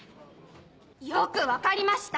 よく分かりました！